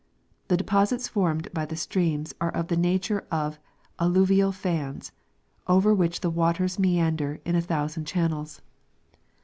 The deposits fornled by the streams are of the nature of alluvial fans, over which the waters meander in a thousand channels.